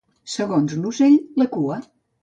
Segons l'ocell, la cua.